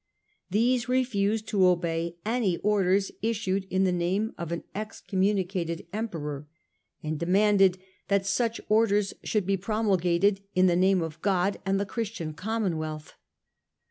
These refused to obey any orders issued in the name of an excommunicated Emperor, and demanded that such THE EXCOMMUNICATE CRUSADER 91 orders should be promulgated in the name of God and the Christian Commonwealth.